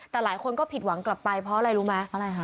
แต่หลายคนก็ผิดหวังกลับไปเพราะอะไรรู้ไหมอะไรคะ